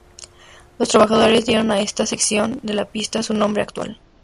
Los trabajadores dieron a esta sección de la pista su nombre actual.